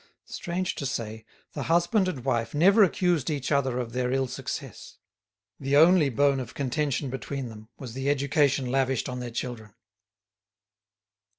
Strange to say, the husband and wife never accused each other of their ill success. The only bone of contention between them was the education lavished on their children.